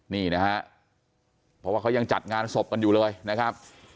นี่นะฮะเพราะว่าเขายังจัดงานศพกันอยู่เลยนะครับ